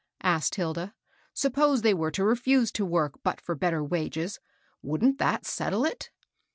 asked Hilda. " Suppose they were to refuse to work but for bet ter wages, — wouldn't that settle it